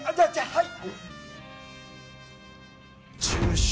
はい！